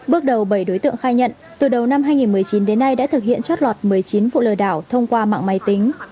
bước đầu bảy đối tượng khai nhận từ đầu năm hai nghìn một mươi chín đến nay đã thực hiện trót lọt một mươi chín vụ lừa đảo thông qua mạng máy tính